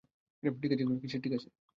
ঠিক আছে, - কিসের ঠিক আছে?